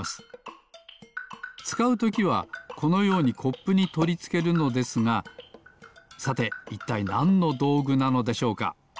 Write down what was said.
つかうときはこのようにコップにとりつけるのですがさていったいなんのどうぐなのでしょうか？